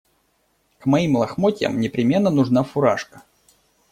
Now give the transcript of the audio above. К моим лохмотьям непременно нужна фуражка.